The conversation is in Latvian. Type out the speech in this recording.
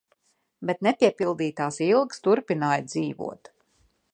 Bet nepiepildītās ilgas turpināja dzīvot.